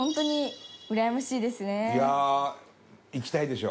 いやあ行きたいでしょ？